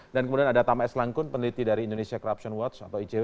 dan kemudian ada tama s langkun peneliti dari indonesia corruption watch atau icw